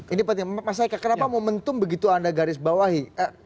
ini penting mas eka kenapa momentum begitu anda garis bawahi